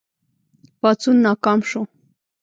پاڅون ناکام شو.